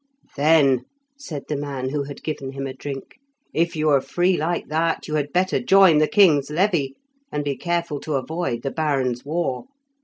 "Then," said the man who had given him a drink, "if you are free like that, you had better join the king's levy, and be careful to avoid the barons' war.